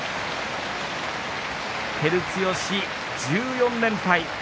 照強、１４連敗です。